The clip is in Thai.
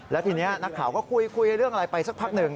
แล้วทีนี้นักข่าวก็คุยเรื่องอะไรไปสักพักหนึ่ง